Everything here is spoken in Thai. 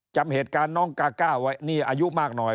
จำเหตุการณ์น้องกาก้าไว้นี่อายุมากหน่อย